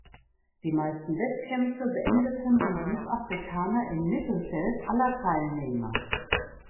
Die meisten Wettkämpfe beendeten die Südafrikaner im Mittelfeld aller Teilnehmer.